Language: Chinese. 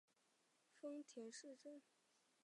县莅位于丰田市镇。